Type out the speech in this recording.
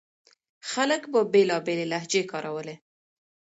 خلک به بېلابېلې لهجې کارولې.